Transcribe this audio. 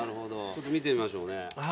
ちょっと見てみましょうね。